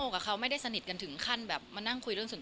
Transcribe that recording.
อก่อนมากก่อนเนี่ย